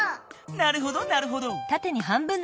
なるほどなるほど。